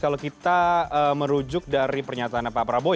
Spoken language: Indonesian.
kalau kita merujuk dari pernyataan pak prabowo